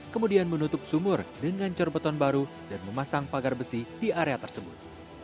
kemudian menutup sumur dengan corbeton baru dan memasang pagar besi di area tersebut